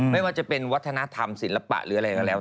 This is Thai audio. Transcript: ไม่ว่าจะเป็นวัฒนธรรมศิลปะหรืออะไรก็แล้ว